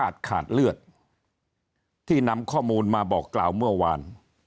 ขาดเลือดที่นำข้อมูลมาบอกกล่าวเมื่อวาน